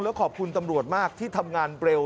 แล้วขอบคุณตำรวจมากที่ทำงานเร็ว